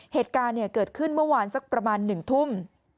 เหตุการณ์เกิดขึ้นเมื่อวานสักประมาณ๑ทุ่ม